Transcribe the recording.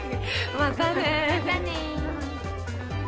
またね。